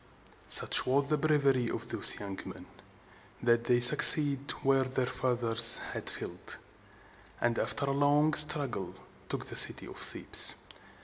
Such was the bravery of these young men, that they succeeded where their fathers had failed, and after a long struggle took the city of Thebes.